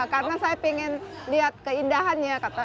karena saya ingin lihat keindahannya